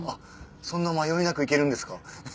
そんな迷いなく行けるんですか？